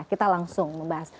kita langsung membahas